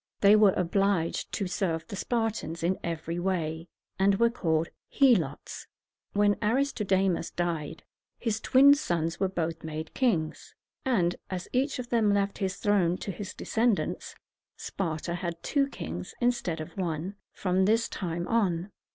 They were obliged to serve the Spartans in every way, and were called He´lots. When Aristodemus died, his twin sons were both made kings; and, as each of them left his throne to his descendants, Sparta had two kings, instead of one, from this time on.